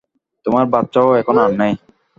তোমার বাচ্চাও এখন আর নেই।